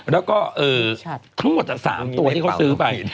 แล้วก็ทั้งหมด๓ตัวที่เขาซื้อไป